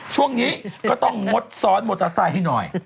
ช่วงนี้ก็ต้องงดซ้อนมอเตอร์ไซค์หน่อย